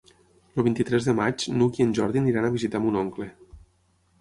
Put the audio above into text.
El vint-i-tres de maig n'Hug i en Jordi aniran a visitar mon oncle.